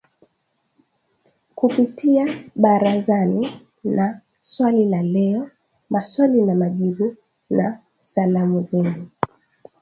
kupitia ‘Barazani’ na ‘Swali la Leo’, 'Maswali na Majibu', na 'Salamu Zenu'.